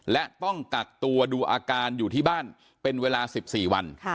และต้องกักตัวดูอาการอยู่ที่บ้านเป็นเวลา๑๔วัน